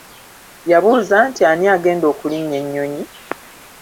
Yabuuza nti ani agenda okulinnya ennyonyi?